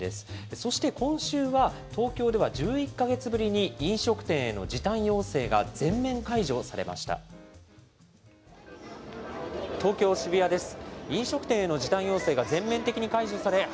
そして今週は、東京では１１か月ぶりに飲食店への時短要請が全面解除されました。